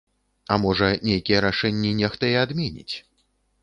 А можа, нейкія рашэнні нехта і адменіць.